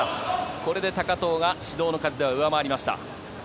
これで高藤が指導の数では上回りました。